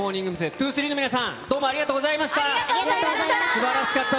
’２３の皆さん、どうもありがとうございまありがとうございました。